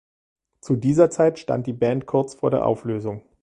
Zu dieser Zeit stand die Band kurz vor der Auflösung.